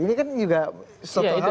ini kan juga satu hal yang